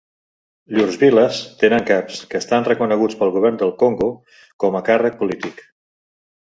Llurs viles tenen caps, que estan reconeguts pel govern del Congo com a càrrec polític.